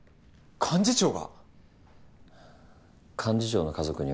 幹事長が。